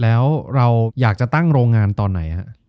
แล้วเราอยากจะตั้งโรงงานตอนไหนฮะ